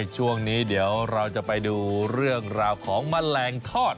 ช่วงนี้เดี๋ยวเราจะไปดูเรื่องราวของแมลงทอด